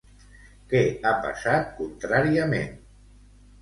Què ha passat contràriament?